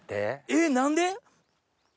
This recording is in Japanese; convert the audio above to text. えっ何で？